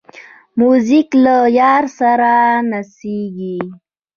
موزیک له یار سره نڅېږي.